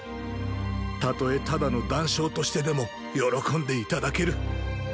たとえただの男娼としてでも喜んで頂ける。